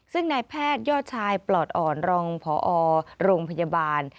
ซึ่งนายแพทยอดชายปลอดอ่อนรองพอโรงพยาบาล